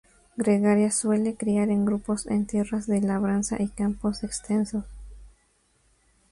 Gregaria, suele criar en grupos, en tierras de labranza y campos extensos.